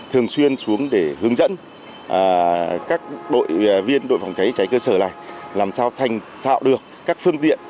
thường xuyên xuống để hướng dẫn các đội viên đội phòng cháy cháy cơ sở này làm sao thành tạo được các phương tiện